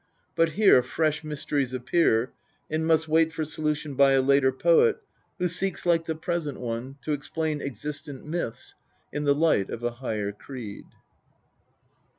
But here fresh mysteries appear, and must wait for solution by a later poet who seeks, like the present one, to explain existent myths in the light of a higher creed.